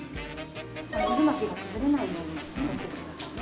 渦巻きが崩れないように気をつけてくださいね。